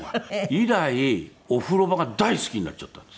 以来お風呂場が大好きになっちゃったんです。